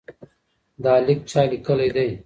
دا لیک چا لیکلی دی؟